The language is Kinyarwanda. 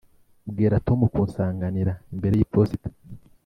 bwira tom kunsanganira imbere yiposita.